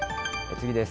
次です。